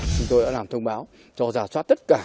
chúng tôi đã làm thông báo cho giả soát tất cả